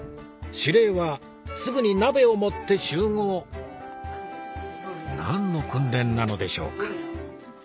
指令は「すぐに鍋を持って集合」何の訓練なのでしょうか？